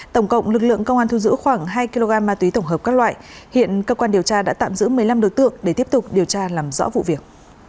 tổng cộng lực lượng công an thu giữ khoảng hai kg ma túy tổng hợp các loại hiện cơ quan điều tra đã tạm giữ một mươi năm đối tượng để tiếp tục điều tra làm rõ vụ việc